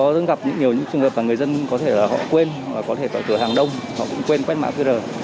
có gặp nhiều trường hợp là người dân có thể là họ quên họ có thể vào cửa hàng đông họ cũng quên quét mã qr